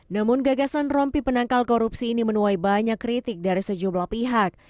namun gagasan rompi penangkal korupsi ini menuai banyak kritik dari sejumlah pihak